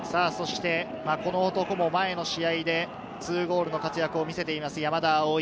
そしてこの男も前の試合で２ゴールの活躍を見せています、山田蒼。